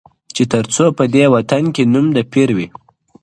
• چي تر څو په دې وطن کي نوم د پیر وي -